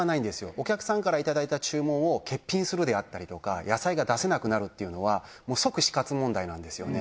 お客さんからいただいた注文を欠品するであったりとか野菜が出せなくなるっていうのは即死活問題なんですよね。